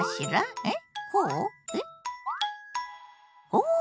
お。